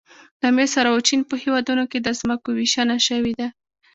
د مصر او چین په هېوادونو کې د ځمکو ویشنه شوې ده